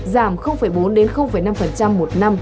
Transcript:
giảm bốn đến năm một năm